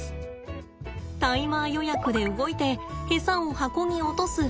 タイマー予約で動いてエサを箱に落とす。